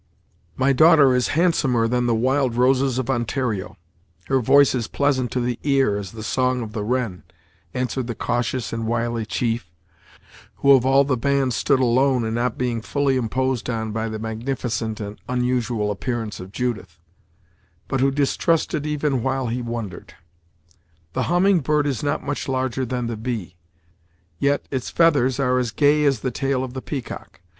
"My daughter is handsomer than the wild roses of Ontario; her voice is pleasant to the ear as the song of the wren," answered the cautious and wily chief, who of all the band stood alone in not being fully imposed on by the magnificent and unusual appearance of Judith; but who distrusted even while he wondered: "the humming bird is not much larger than the bee; yet, its feathers are as gay as the tail of the peacock.